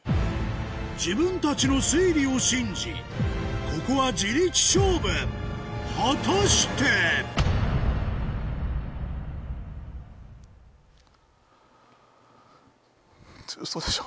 自分たちの推理を信じここは自力勝負果たして⁉ウソでしょ？